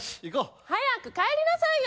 早く帰りなさいよ！